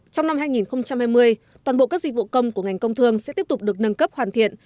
trong năm hai nghìn hai mươi toàn bộ các dịch vụ công của ngành công thương sẽ tiếp tục được nâng cấp hoàn thiện